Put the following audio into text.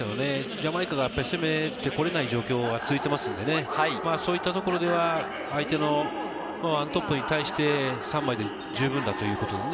ジャマイカが攻めて来られない状況が続いていますので、そういったところでは相手の１トップに対して３枚で十分だということでね。